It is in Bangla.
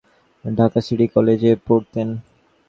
ঢাকা সিটি কলেজে পড়তেন।